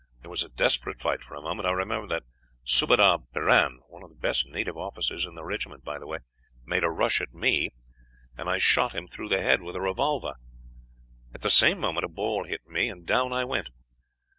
There was a desperate fight for a moment. I remember that Subadar Piran one of the best native officers in the regiment, by the way made a rush at me, and I shot him through the head with a revolver. At the same moment a ball hit me, and down I went.